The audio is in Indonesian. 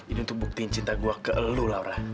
ini untuk buktiin cinta gue ke lu laura